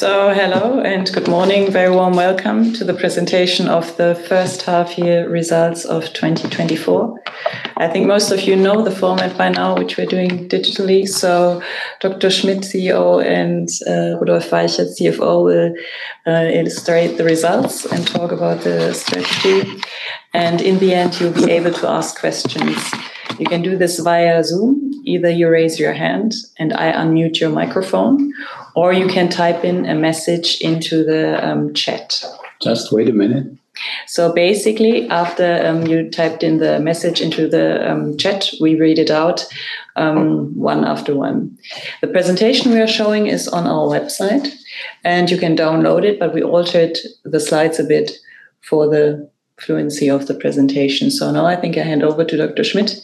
Hello and good morning. Very warm welcome to the presentation of the first half year results of 2024. I think most of you know the format by now, which we're doing digitally. Dr. Schmidt, CEO, and Rudolf Weichert, CFO, will illustrate the results and talk about the strategy. In the end, you'll be able to ask questions. You can do this via Zoom. Either you raise your hand and I unmute your microphone, or you can type in a message into the chat. Just wait a minute. Basically, after you typed in the message into the chat, we read it out one after one. The presentation we are showing is on our website, and you can download it, but we altered the slides a bit for the fluency of the presentation. Now I think I hand over to Dr. Schmidt,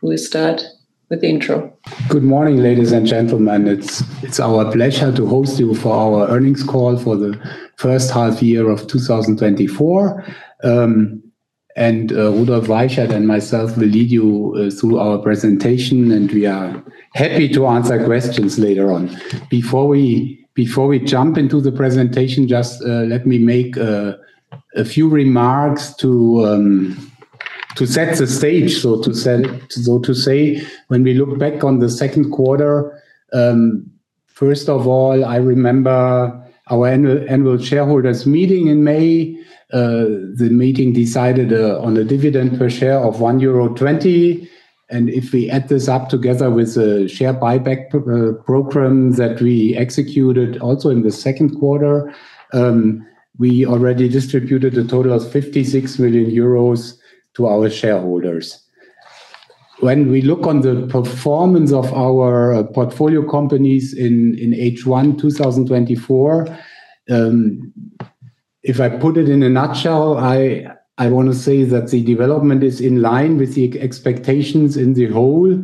who will start with the intro. Good morning, ladies and gentlemen. It's our pleasure to host you for our earnings call for the first half year of 2024. Rudolf Weichert and myself will lead you through our presentation. We are happy to answer questions later on. Before we jump into the presentation, just let me make a few remarks to set the stage, so to say. When we look back on the second quarter, first of all, I remember our annual shareholders meeting in May. The meeting decided on a dividend per share of 1.20 euro. If we add this up together with the share buyback program that we executed also in the second quarter, we already distributed a total of 56 million euros to our shareholders. When we look on the performance of our portfolio companies in H1 2024, if I put it in a nutshell, I wanna say that the development is in line with the expectations in the whole.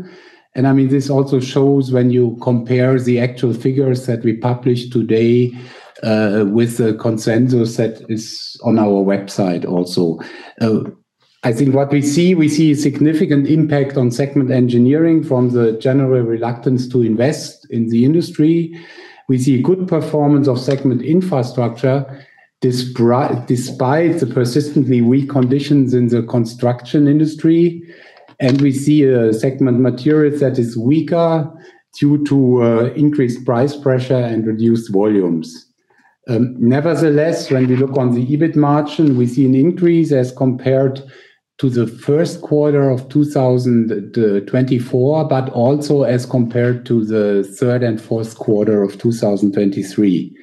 I mean, this also shows when you compare the actual figures that we published today, with the consensus that is on our website also. I think what we see, we see a significant impact on segment Engineering from the general reluctance to invest in the industry. We see a good performance of segment Infrastructure, despite the persistently weak conditions in the construction industry. We see a segment Materials that is weaker due to, increased price pressure and reduced volumes. Nevertheless, when we look on the EBIT margin, we see an increase as compared to the first quarter of 2024, but also as compared to the third and fourth quarter of 2023.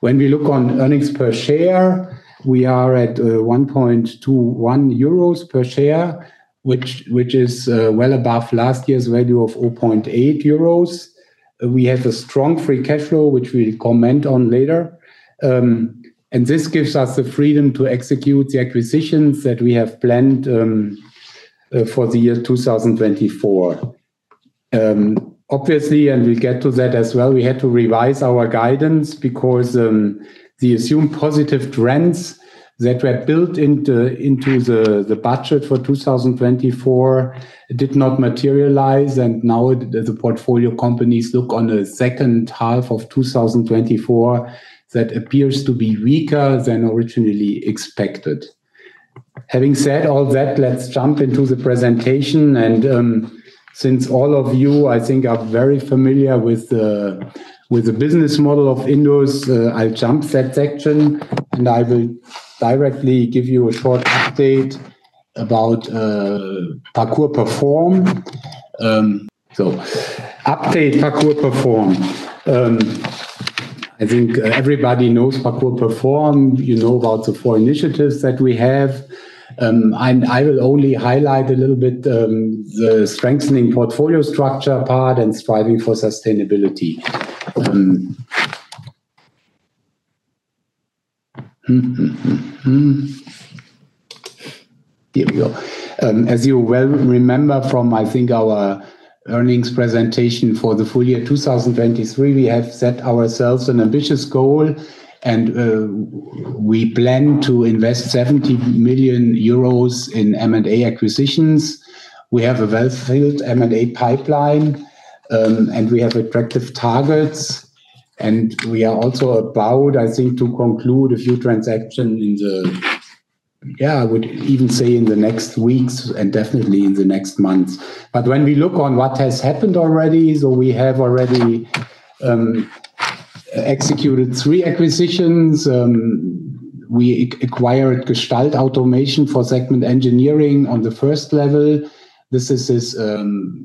When we look on earnings per share, we are at 1.21 euros per share, which is well above last year's value of 0.8 euros. We have a strong free cash flow, which we'll comment on later. This gives us the freedom to execute the acquisitions that we have planned for the year 2024. Obviously, we'll get to that as well, we had to revise our guidance because the assumed positive trends that were built into the budget for 2024 did not materialize, now the portfolio companies look on the second half of 2024 that appears to be weaker than originally expected. Having said all that, let's jump into the presentation since all of you, I think, are very familiar with the business model of INDUS, I'll jump that section I will directly give you a short update about PARKOUR perform. Update PARKOUR perform. I think everybody knows PARKOUR perform. You know about the four initiatives that we have. I will only highlight a little bit the strengthening portfolio structure part striving for sustainability. Here we go. As you well remember from, I think, our earnings presentation for the full year 2023, we have set ourselves an ambitious goal. We plan to invest 70 million euros in M&A acquisitions. We have a well-filled M&A pipeline, and we have attractive targets, and we are also about, I think, to conclude a few transactions in the, yeah, I would even say in the next weeks and definitely in the next months. When we look on what has happened already, we have already executed three acquisitions. We acquire Gestalt Automation for segment Engineering on the first level. This is this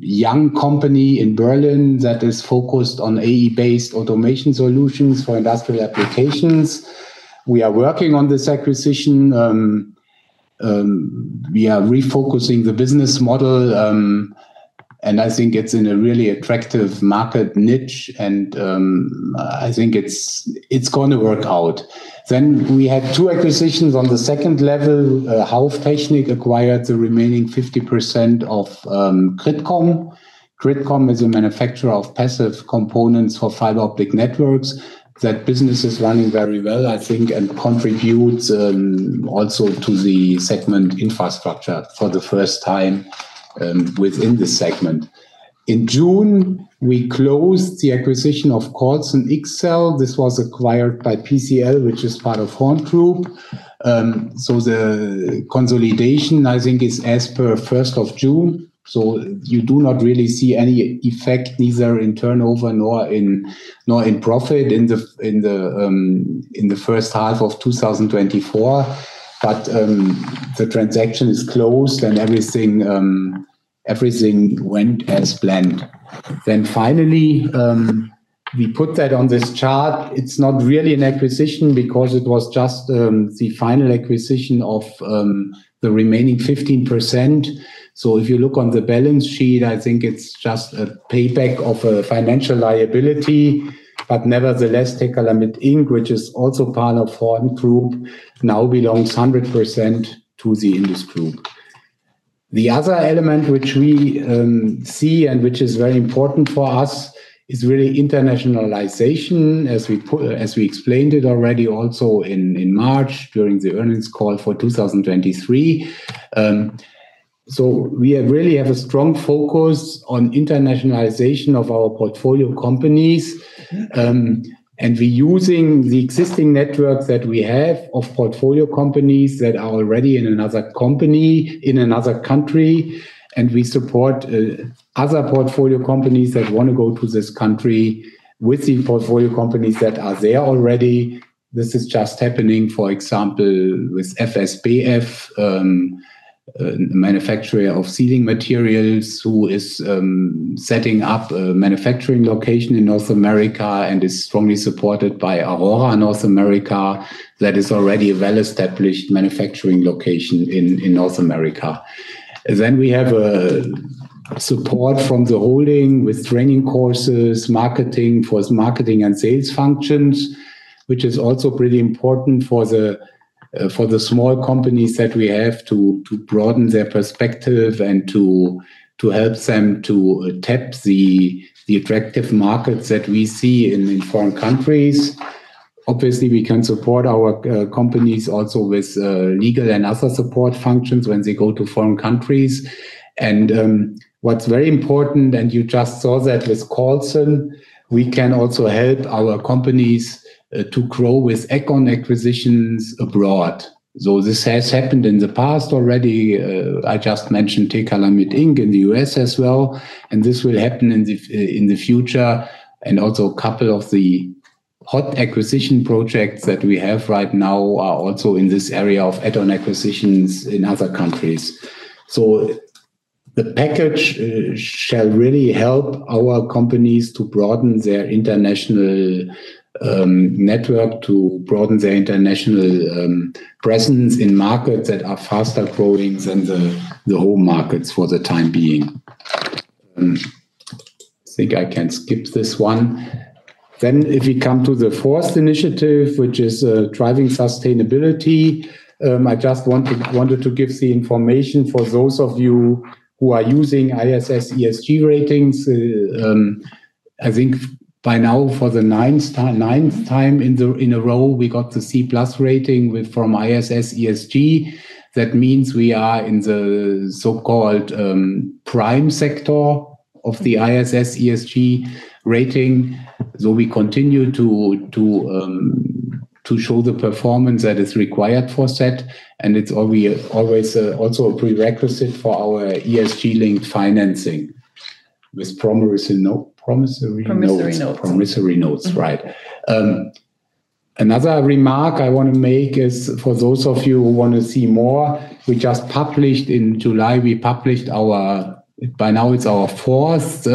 young company in Berlin that is focused on AI-based automation solutions for industrial applications. We are working on this acquisition. We are refocusing the business model, and I think it's in a really attractive market niche and I think it's gonna work out. We had two acquisitions on the second level. Hauff-Technik acquired the remaining 50% of GRIDCOM. GRIDCOM is a manufacturer of passive components for fiber optic networks. That business is running very well, I think, and contributes also to the segment Infrastructure for the first time within the segment. In June, we closed the acquisition of Colson X-Cel. This was acquired by PCL, which is part of HORNGROUP. The consolidation, I think, is as per June 1st. You do not really see any effect either in turnover nor in profit in the first half of 2024. The transaction is closed and everything went as planned. Finally, we put that on this chart. It's not really an acquisition because it was just the final acquisition of the remaining 15%. If you look on the balance sheet, I think it's just a payback of a financial liability. Nevertheless, TECALEMIT Inc., which is also part of HORNGROUP, now belongs 100% to the INDUS group. The other element which we see and which is very important for us is really internationalization, as we explained it already also in March during the earnings call for 2023. We really have a strong focus on internationalization of our portfolio companies. We're using the existing networks that we have of portfolio companies that are already in another company in another country, and we support other portfolio companies that wanna go to this country with the portfolio companies that are there already. This is just happening, for example, with FSBF, a manufacturer of ceiling materials who is setting up a manufacturing location in North America and is strongly supported by Aurora North America that is already a well-established manufacturing location in North America. We have a support from the holding with training courses, marketing for marketing and sales functions, which is also pretty important for the small companies that we have to broaden their perspective and to help them to tap the attractive markets that we see in foreign countries. Obviously, we can support our companies also with legal and other support functions when they go to foreign countries. What's very important, and you just saw that with Colson, we can also help our companies to grow with add-on acquisitions abroad. This has happened in the past already. I just mentioned TECALEMIT Inc. in the U.S. as well, and this will happen in the future. Couple of the hot acquisition projects that we have right now are also in this area of add-on acquisitions in other countries. The package shall really help our companies to broaden their international network, to broaden their international presence in markets that are faster growing than the home markets for the time being. I think I can skip this one. If we come to the fourth initiative, which is driving sustainability, I just wanted to give the information for those of you who are using ISS ESG ratings. I think by now, for the ninth time in a row, we got the C+ rating from ISS ESG. That means we are in the so-called Prime sector of the ISS ESG rating. We continue to show the performance that is required for that, and it's always also a prerequisite for our ESG-linked financing with promissory notes. Promissory notes. Promissory notes. Promissory notes. Right. Another remark I wanna make is for those of you who wanna see more, in July. We published our, by now it's our fourth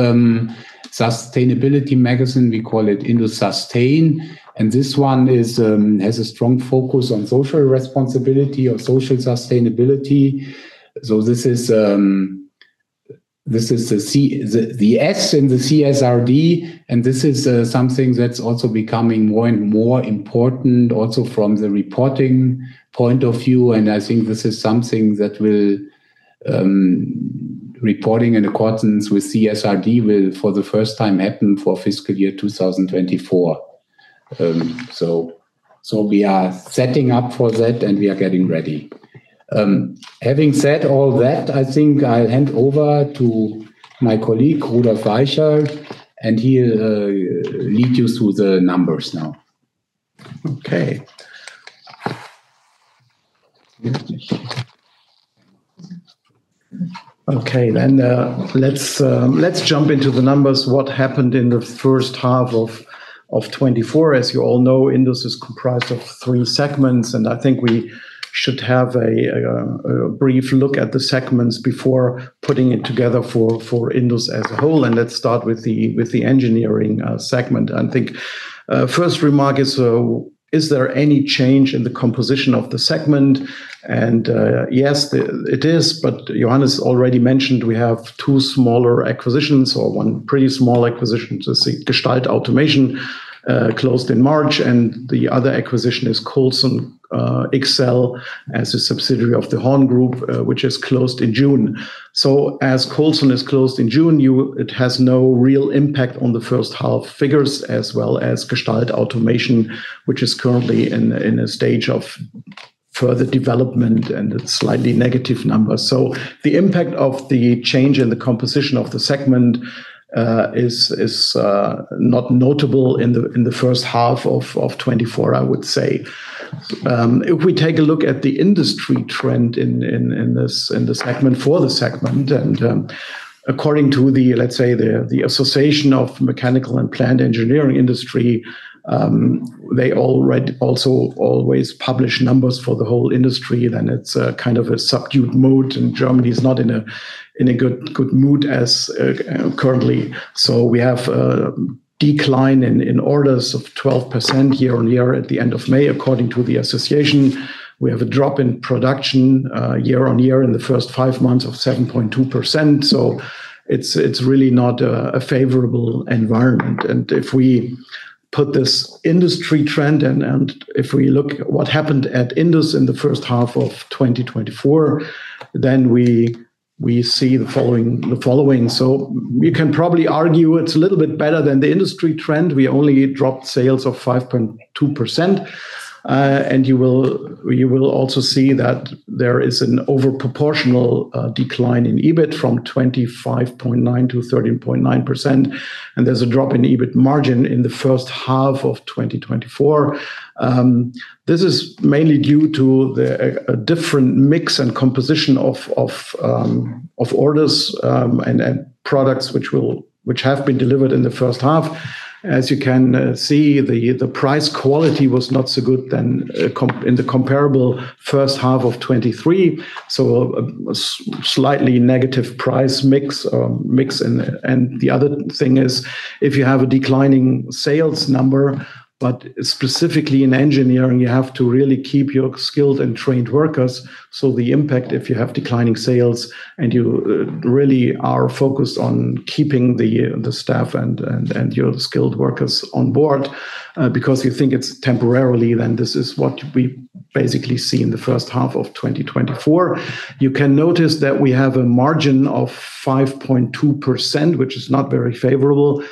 sustainability magazine. We call it INDUS Sustain. This one is has a strong focus on social responsibility or social sustainability. This is the S in the CSRD, and this is something that's also becoming more and more important also from the reporting point of view. I think this is something that will reporting in accordance with CSRD will for the first time happen for fiscal year 2024. We are setting up for that, and we are getting ready. Having said all that, I think I'll hand over to my colleague, Rudolf Weichert, and he'll lead you through the numbers now. Okay. Let's jump into the numbers. What happened in the first half of 2024? As you all know, INDUS is comprised of three segments. I think we should have a brief look at the segments before putting it together for INDUS as a whole. Let's start with the Engineering segment. I think, first remark, is there any change in the composition of the segment? Yes, it is. Johannes already mentioned we have two smaller acquisitions or one pretty small acquisition. The Gestalt Automation closed in March. The other acquisition is Colson X-Cel as a subsidiary of the HORNGROUP, which has closed in June. As Colson has closed in June, it has no real impact on the first half figures as well as Gestalt Automation, which is currently in a stage of further development and its slightly negative numbers. The impact of the change in the composition of the segment is not notable in the first half of 2024, I would say. If we take a look at the industry trend for the segment, and according to the, let's say, The Association of Mechanical and Plant Engineering Industry, they already also always publish numbers for the whole industry, then it's a kind of a subdued mood, and Germany is not in a good mood as currently. We have decline in orders of 12% year-on-year at the end of May, according to the association. We have a drop in production year-on-year in the first five months of 7.2%. It's really not a favorable environment. If we put this industry trend and if we look at what happened at INDUS in the first half of 2024, we see the following. You can probably argue it's a little bit better than the industry trend. We only dropped sales of 5.2%. You will also see that there is an over proportional decline in EBIT from 25.9%-13.9%, and there's a drop in EBIT margin in the first half of 2024. This is mainly due to a different mix and composition of orders and products which have been delivered in the first half. As you can see, the price quality was not so good than in the comparable first half of 2023, so a slightly negative price mix. The other thing is if you have a declining sales number, but specifically in engineering, you have to really keep your skilled and trained workers. The impact, if you have declining sales and you really are focused on keeping the staff and your skilled workers on board, because you think it's temporarily, then this is what we basically see in the first half of 2024. You can notice that we have a margin of 5.2%, which is not very favorable.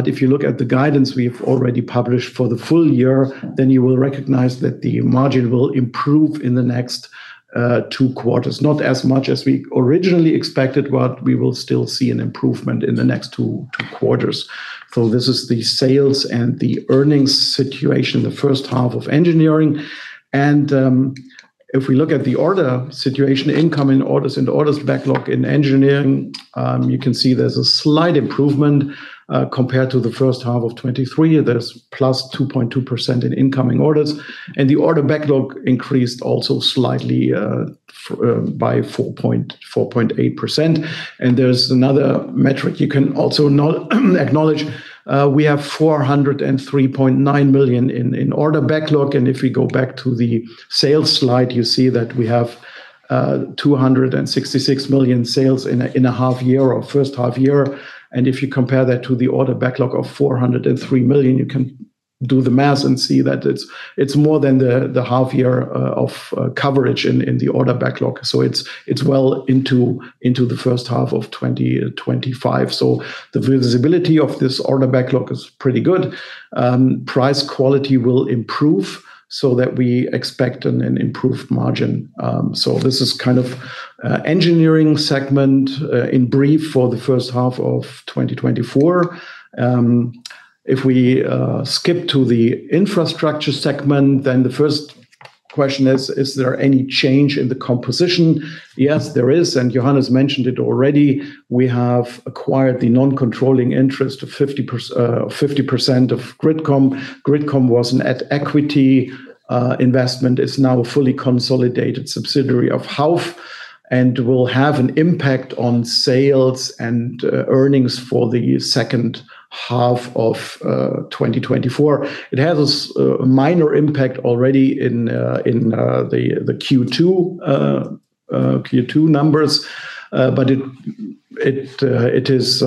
If you look at the guidance we've already published for the full year, you will recognize that the margin will improve in the next two quarters. Not as much as we originally expected, we will still see an improvement in the next two quarters. This is the sales and the earnings situation in the first half of Engineering. If we look at the order situation, incoming orders and orders backlog in Engineering, you can see there's a slight improvement compared to the first half of 2023. There's +2.2% in incoming orders, the order backlog increased also slightly by 4.8%. There's another metric you can also know acknowledge. We have 403.9 million in order backlog. If we go back to the sales slide, you see that we have 266 million sales in a half year or first half year. If you compare that to the order backlog of 403 million, you can do the math and see that it's more than the half year of coverage in the order backlog. It's well into the first half of 2025. The visibility of this order backlog is pretty good. Price quality will improve so that we expect an improved margin. This is kind of Engineering segment in brief for the first half of 2024. If we skip to the Infrastructure segment, the first question is: Is there any change in the composition? Yes, there is. Johannes mentioned it already. We have acquired the non-controlling interest of 50% of GRIDCOM. GRIDCOM was an at equity investment. It's now a fully consolidated subsidiary of Hauff and will have an impact on sales and earnings for the second half of 2024. It has a minor impact already in the Q2 numbers, it is,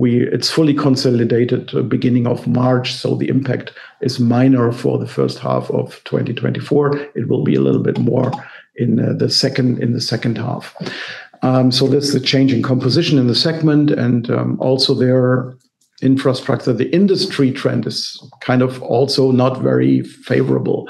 it's fully consolidated beginning of March, so the impact is minor for the first half of 2024. It will be a little bit more in the second half. That's the change in composition in the segment and also their infrastructure. The industry trend is kind of also not very favorable.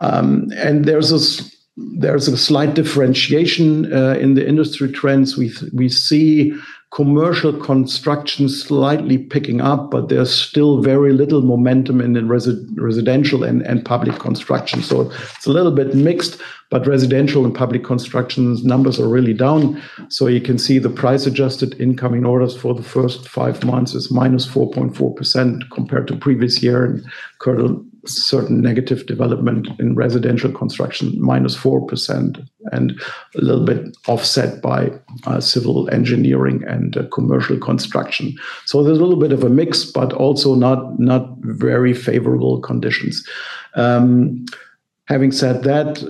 There's a slight differentiation in the industry trends. We see commercial construction slightly picking up, but there's still very little momentum in the residential and public construction. It's a little bit mixed, but residential and public construction's numbers are really down. You can see the price-adjusted incoming orders for the first five months is -4.4% compared to previous year and current certain negative development in residential construction, -4% and a little bit offset by civil engineering and commercial construction. There's a little bit of a mix, but also not very favorable conditions. Having said that,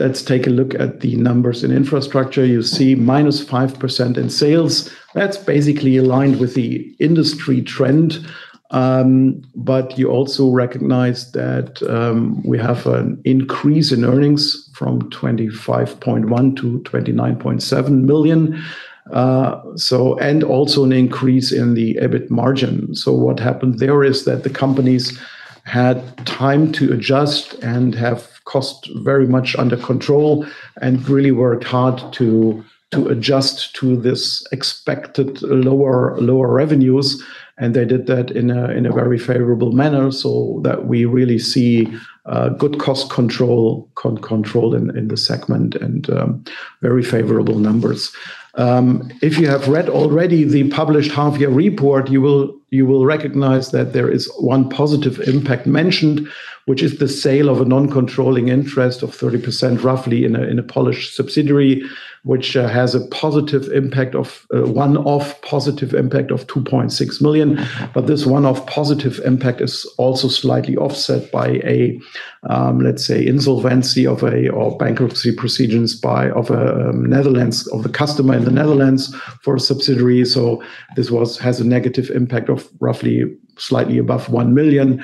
let's take a look at the numbers in Infrastructure. You see -5% in sales. That's basically aligned with the industry trend, but you also recognize that we have an increase in earnings from 25.1 million-29.7 million, also an increase in the EBIT margin. What happened there is that the companies had time to adjust and have cost very much under control and really worked hard to adjust to this expected lower revenues, and they did that in a very favorable manner so that we really see good cost control in the segment and very favorable numbers. If you have read already the published half year report, you will recognize that there is one positive impact mentioned, which is the sale of a non-controlling interest of 30% roughly in a Polish subsidiary, which has a positive impact of a one-off positive impact of 2.6 million. This one-off positive impact is also slightly offset by a, let's say insolvency of bankruptcy proceedings by a customer in the Netherlands for a subsidiary. This has a negative impact of roughly slightly above 1 million.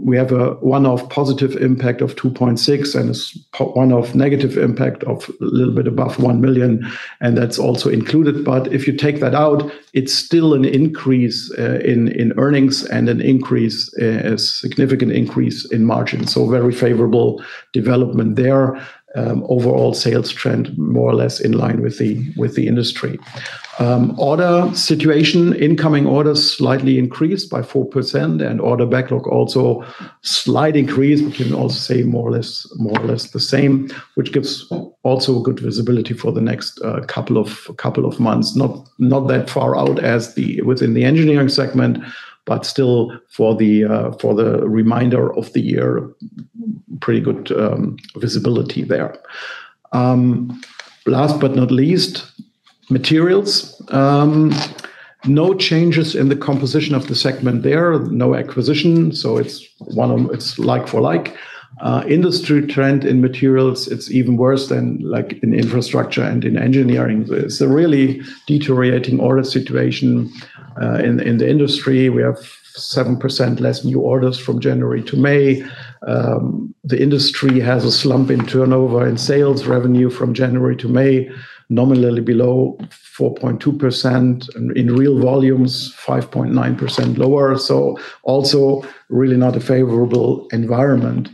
We have a one-off positive impact of 2.6 million and a one-off negative impact of a little bit above 1 million, and that's also included. If you take that out, it's still an increase in earnings and an increase, a significant increase in margins. Very favorable development there. Overall sales trend more or less in line with the industry. Order situation, incoming orders slightly increased by 4% and order backlog also slight increase. We can also say more or less the same, which gives also good visibility for the next couple of months, not that far out as the within the Engineering segment, but still for the reminder of the year, pretty good visibility there. Last but not least, Materials. No changes in the composition of the segment there. No acquisition, so it's like for like. Industry trend in Materials, it's even worse than like in Infrastructure and in Engineering. There's a really deteriorating order situation in the industry. We have 7% less new orders from January to May. The industry has a slump in turnover in sales revenue from January to May, nominally below 4.2%. In real volumes, 5.9% lower, so also really not a favorable environment.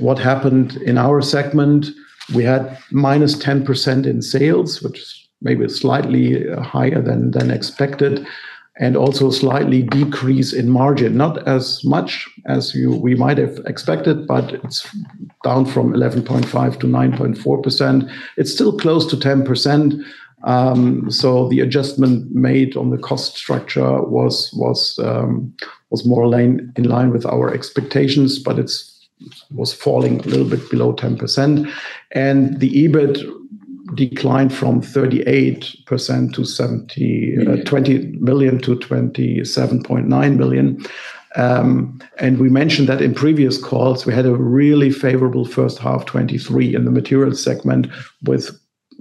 What happened in our segment, we had -10% in sales, which maybe slightly higher than expected, and also slightly decrease in margin. Not as much as we might have expected, but it's down from 11.5%-9.4%. It's still close to 10%, the adjustment made on the cost structure was in line with our expectations, but was falling a little bit below 10%. The EBIT declined from 38% to 70 million. 20 million-27.9 million. We mentioned that in previous calls. We had a really favorable first half 2023 in the Materials segment with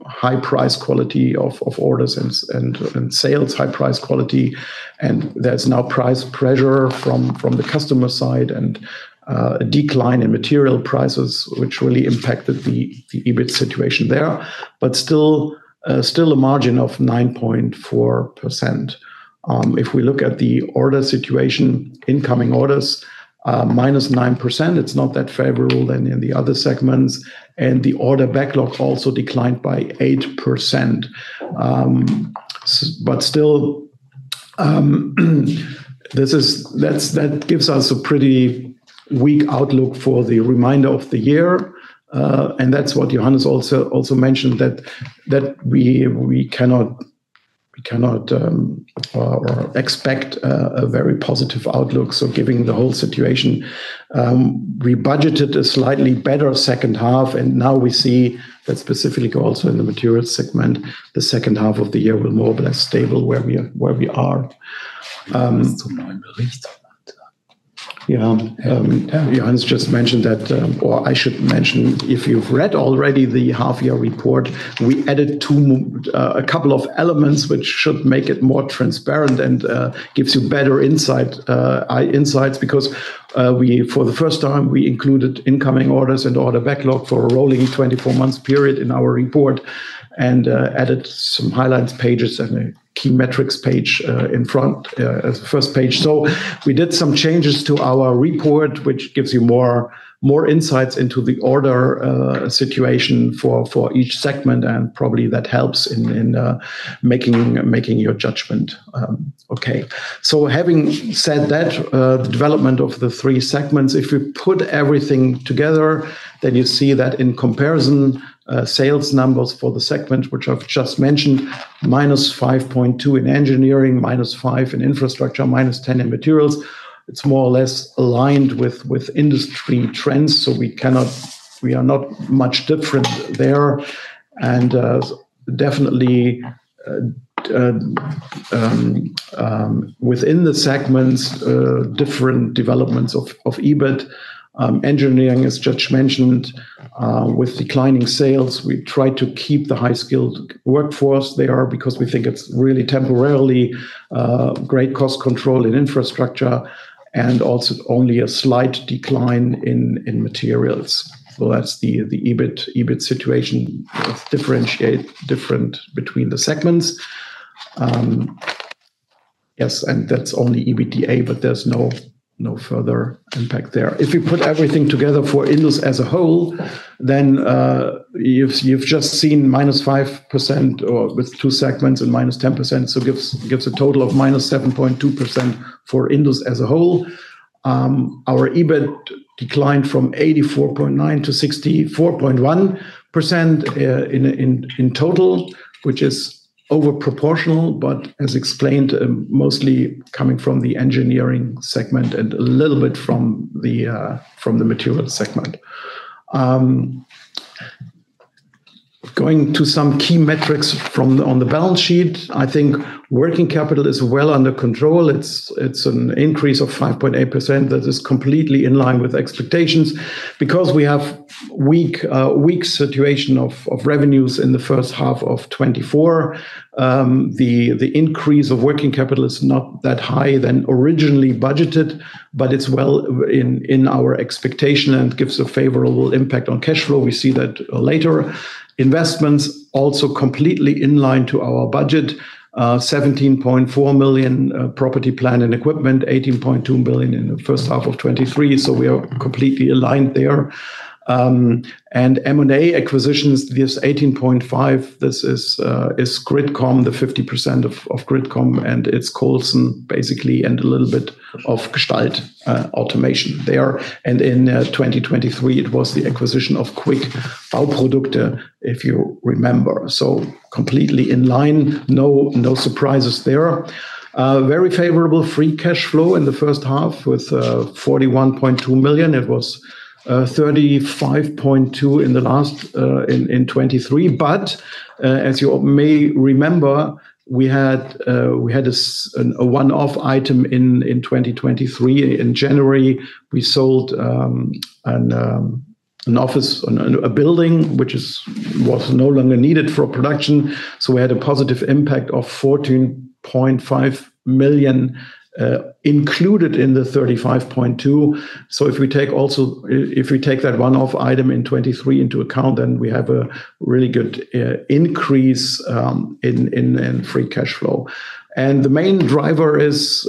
high price quality of orders and sales high price quality, and there's now price pressure from the customer side and a decline in material prices, which really impacted the EBIT situation there, but still a margin of 9.4%. If we look at the order situation, incoming orders, -9%. It's not that favorable than in the other segments, and the order backlog also declined by 8%. Still, that gives us a pretty weak outlook for the reminder of the year, and that's what Johannes also mentioned that we cannot expect a very positive outlook. Giving the whole situation. We budgeted a slightly better second half, and now we see that specifically also in the Materials segment, the second half of the year we're more or less stable where we are. Yeah. Yeah, Johannes just mentioned that, or I should mention, if you've read already the half year report, we added a couple of elements which should make it more transparent and gives you better insights because we, for the first time, we included incoming orders and order backlog for a rolling 24 months period in our report and added some highlights pages and a key metrics page in front as the first page. We did some changes to our report, which gives you more insights into the order situation for each segment, and probably that helps in making your judgment. Okay. Having said that, the development of the three segments, if you put everything together, you see that in comparison, sales numbers for the segments which I've just mentioned, -5.2% in Engineering, -5% in Infrastructure, -10% in Materials. It's more or less aligned with industry trends, we are not much different there. Definitely, within the segments, different developments of EBIT. Engineering, as just mentioned, with declining sales. We try to keep the high-skilled workforce there because we think it's really temporarily, great cost control in Infrastructure and also only a slight decline in Materials. That's the EBIT situation of differentiate different between the segments. Yes, that's only EBITDA, there's no further impact there. If you put everything together for INDUS as a whole, then you've just seen -5% or with two segments and -10%, so gives a total of -7.2% for INDUS as a whole. Our EBIT declined from 84.9%-64.1% in total, which is over proportional, but as explained, mostly coming from the Engineering segment and a little bit from the Materials segment. Going to some key metrics on the balance sheet, I think working capital is well under control. It's an increase of 5.8% that is completely in line with expectations. We have weak situation of revenues in the first half of 2024, the increase of working capital is not that high than originally budgeted, but it's well in our expectation and gives a favorable impact on cash flow. We see that later. Investments also completely in line to our budget, 17.4 million property, plant, and equipment, 18.2 billion in the first half of 2023, we are completely aligned there. M&A acquisitions gives 18.5. This is GRIDCOM, the 50% of GRIDCOM, and it's Colson basically, and a little bit of Gestalt Automation there. In 2023, it was the acquisition of QUICK Bauprodukte, if you remember. Completely in line, no surprises there. Very favorable free cash flow in the first half with 41.2 million. It was 35.2 million in the last in 2023. As you may remember, we had a one-off item in 2023. In January, we sold an office, a building which was no longer needed for production. We had a positive impact of 14.5 million included in the 35.2 million. If we take that one-off item in 2023 into account, we have a really good increase in free cash flow. The main driver is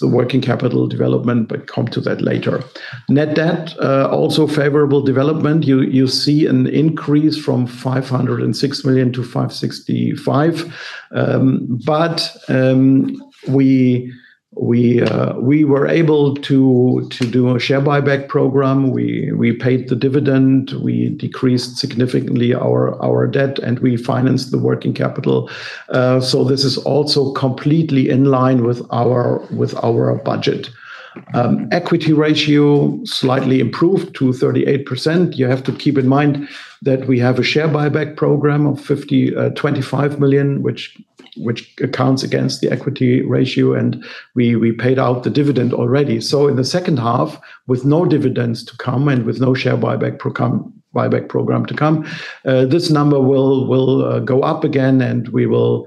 the working capital development but come to that later. Net debt also favorable development. You see an increase from 506 million-565 million. We were able to do a share buyback program. We paid the dividend, we decreased significantly our debt, and we financed the working capital. This is also completely in line with our budget. Equity ratio slightly improved to 38%. You have to keep in mind that we have a share buyback program of 25 million, which accounts against the equity ratio, and we paid out the dividend already. In the second half, with no dividends to come and with no share buyback program to come, this number will go up again and we will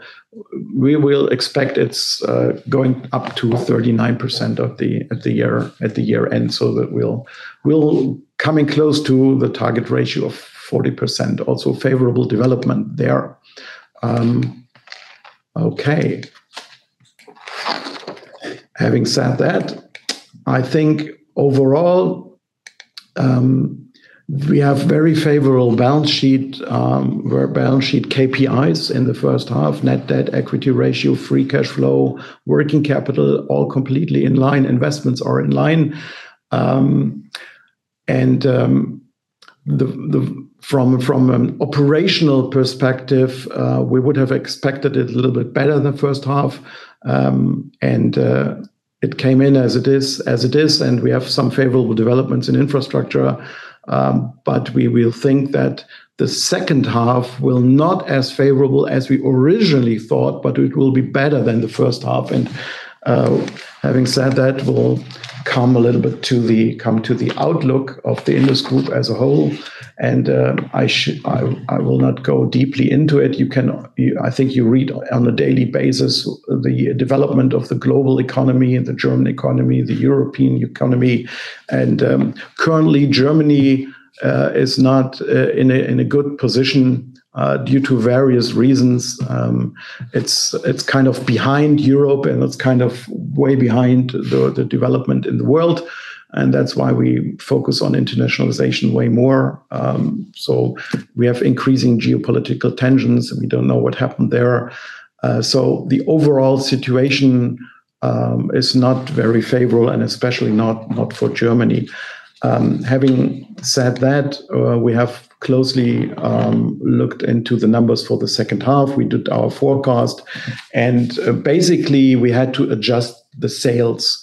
expect it's going up to 39% at the year end, so that we'll coming close to the target ratio of 40%. Also favorable development there. Okay. Having said that, I think overall, we have very favorable balance sheet, or balance sheet KPIs in the first half, net debt, equity ratio, free cash flow, working capital, all completely in line. Investments are in line. From an operational perspective, we would have expected it a little bit better the first half. It came in as it is, and we have some favorable developments in Infrastructure, but we will think that the second half will not as favorable as we originally thought, but it will be better than the first half. Having said that, we'll come a little bit to the outlook of the INDUS group as a whole. I will not go deeply into it. I think you read on a daily basis the development of the global economy and the German economy, the European economy. Currently, Germany is not in a good position due to various reasons. It's kind of behind Europe, and it's kind of way behind the development in the world, and that's why we focus on internationalization way more. We have increasing geopolitical tensions, and we don't know what happened there. The overall situation is not very favorable and especially not for Germany. Having said that, we have closely looked into the numbers for the second half. We did our forecast, and basically, we had to adjust the sales.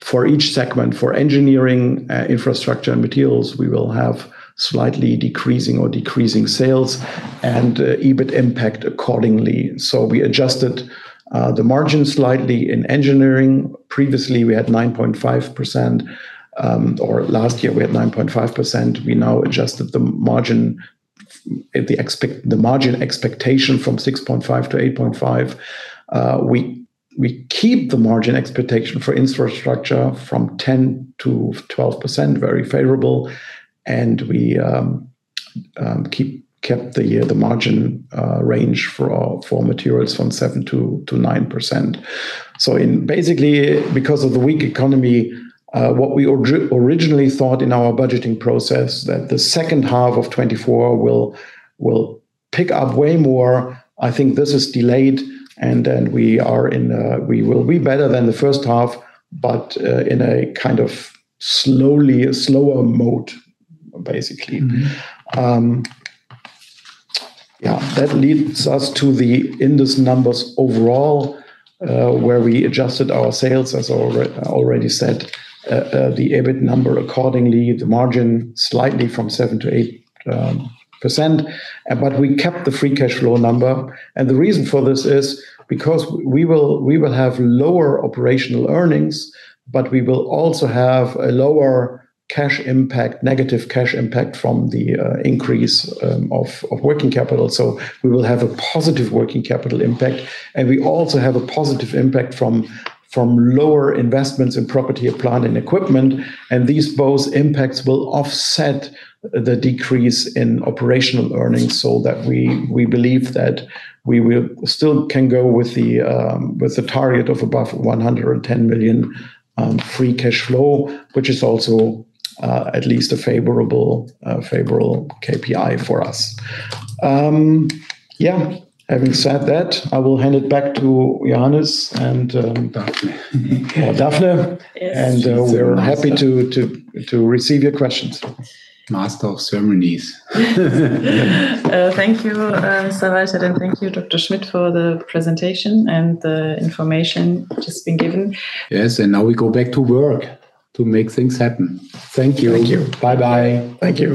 For each segment, for Engineering, Infrastructure, and Materials, we will have slightly decreasing or decreasing sales and EBIT impact accordingly. We adjusted the margin slightly in Engineering. Previously, we had 9.5%, or last year we had 9.5%. We now adjusted the margin, the margin expectation from 6.5%-8.5%. We keep the margin expectation for Infrastructure from 10%-12%, very favorable, and we kept the margin range for Materials from 7%-9%. Basically, because of the weak economy, what we originally thought in our budgeting process that the second half of 2024 will pick up way more. I think this is delayed and we are in. We will be better than the first half, but in a kind of slower mode, basically. Mm-hmm. Yeah. That leads us to the INDUS numbers overall, where we adjusted our sales, as already I already said, the EBIT number accordingly, the margin slightly from 7%-8%. We kept the free cash flow number. The reason for this is because we will have lower operational earnings, but we will also have a lower cash impact, negative cash impact from the increase of working capital. We will have a positive working capital impact. We also have a positive impact from lower investments in property, plant, and equipment. These both impacts will offset the decrease in operational earnings so that we believe that we will still can go with the target of above 110 million free cash flow, which is also at least a favorable favorable KPI for us. Yeah. Having said that, I will hand it back to Johannes and Dafne. Yes. We're happy to receive your questions. Master of ceremonies. Thank you, Sir Weichert, and thank you, Dr. Schmidt, for the presentation and the information just been given. Yes. Now we go back to work to make things happen. Thank you. Thank you. Bye-bye. Thank you.